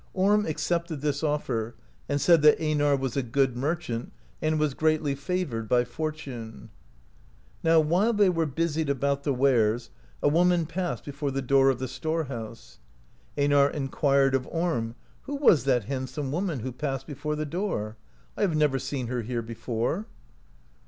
Orm accepted this offer, and said that Einar was a good mer chant, and was greatly favoured by fortune. Now, while they were busied about the wares, a woman passed before the door of the store house. Einar enquired of Orm : "Who was that handsome woman who passed be fore the door ? I have never seen her here before."